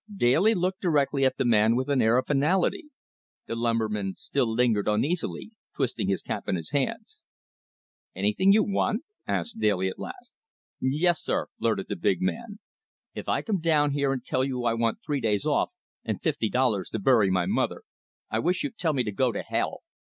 Daly looked directly at the man with an air of finality. The lumberman still lingered uneasily, twisting his cap in his hands. "Anything you want?" asked Daly at last. "Yes, sir," blurted the big man. "If I come down here and tell you I want three days off and fifty dollars to bury my mother, I wish you'd tell me to go to hell!